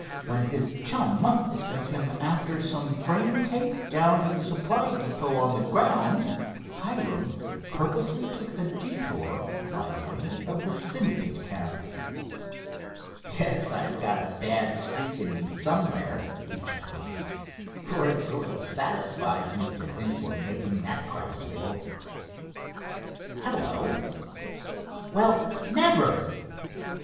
When his chum sent him after some frame tape, down to the supply depot on the grounds, Hiram purposely took a detour by way of the Syndicate camp. "Guess I've got a bad streak in me somewhere," he chuckled, "for it sort of satisfies me to think we're making that crowd wriggle. Hello—well, never!